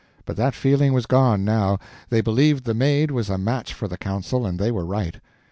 But that feeling was gone now. They believed the Maid was a match for the council, and they were right.